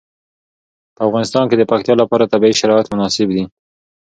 په افغانستان کې د پکتیا لپاره طبیعي شرایط مناسب دي.